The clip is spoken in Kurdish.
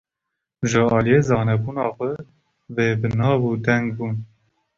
Ji aliyê zanebûna xwe ve bi nav û deng bûn.